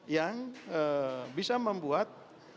yang bisa membuat